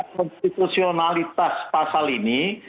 dengan konstitusionalitas pasal ini